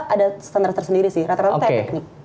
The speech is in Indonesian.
ada standar tersendiri sih rata rata teknik